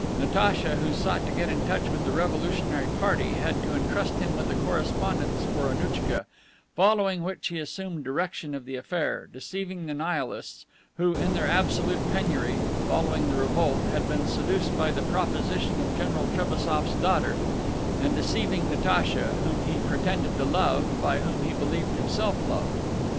Natacha, who sought to get in touch with the revolutionary party, had to entrust him with a correspondence for Annouchka, following which he assumed direction of the affair, deceiving the Nihilists, who, in their absolute penury, following the revolt, had been seduced by the proposition of General Trebassof's daughter, and deceiving Natacha, whom he pretended to love and by whom he believed himself loved.